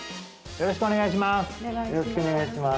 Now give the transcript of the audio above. よろしくお願いします